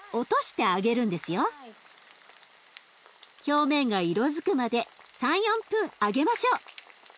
表面が色づくまで３４分揚げましょう。